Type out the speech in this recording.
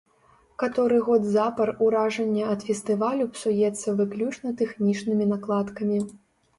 Каторы год запар уражанне ад фестывалю псуецца выключна тэхнічнымі накладкамі.